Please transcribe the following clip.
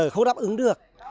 không đáp ứng được